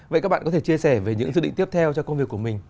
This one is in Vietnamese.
vậy các bạn có thể chia sẻ về những dự định tiếp theo cho công việc của mình